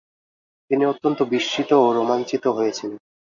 তিনি অত্যন্ত বিস্মিত ও রোমাঞ্চিত হয়েছিলেন।